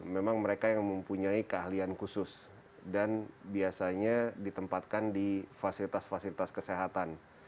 memang mereka yang mempunyai keahlian khusus dan biasanya ditempatkan di fasilitas fasilitas kesehatan